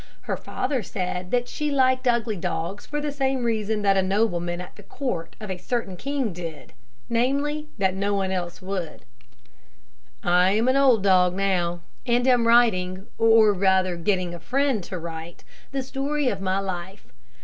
Her father said that she liked ugly dogs for the same reason that a nobleman at the court of a certain king did namely, that no one else would. I am an old dog now, and am writing, or rather getting a friend to write, the story of my life.